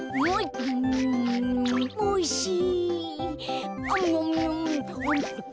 おいしい。